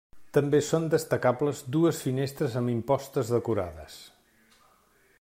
També són destacables dues finestres amb impostes decorades.